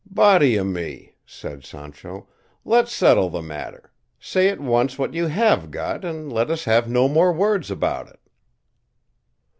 "Body o' me!" said Sancho, "let's settle the matter; say at once what you have got, and let us have no more words about it."